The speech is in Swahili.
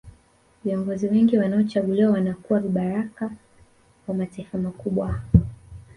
viongozi wengi wanaochaguliwa wanakuwa vibaraka wa mataifa makubwa